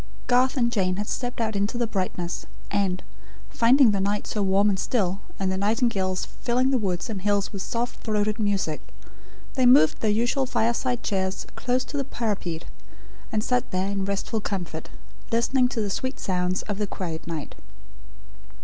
Garth and Jane had stepped out into the brightness; and, finding the night so warm and still, and the nightingales filling the woods and hills with soft throated music, they moved their usual fireside chairs close to the parapet, and sat there in restful comfort, listening to the sweet sounds of the quiet night.